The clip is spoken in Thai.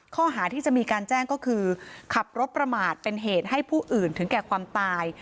ข้อหาที่จะมีการแจ้งก็คือขับรถประมาทเป็นเหตุให้ผู้อื่นถึงแก่ความตาย